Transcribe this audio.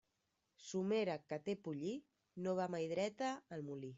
Somera que té pollí, no va mai dreta al molí.